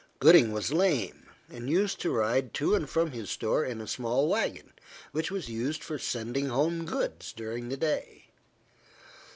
Gooding was lame, and used to ride to and from his store in a small wagon, which was used for sending home goods during the day.